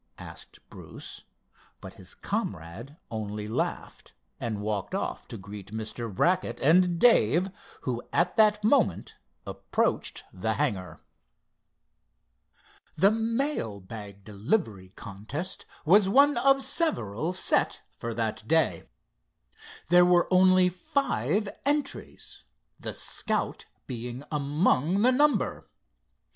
asked Bruce, but his comrade only laughed, and walked off to greet Mr. Brackett and Dave, who, at that moment, approached the hangar. The mail bag delivery contest was one of several set for that day. There were only five entries, the Scout being among the number.